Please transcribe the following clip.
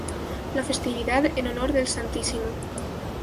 La festividad en honor del Stmo.